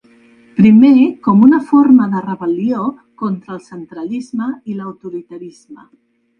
Primer, com una forma de rebel·lió contra el centralisme i l’autoritarisme.